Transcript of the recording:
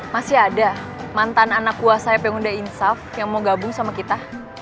masih ada mantan anak kuah sayap yang udah insaf yang mau gabung sama kita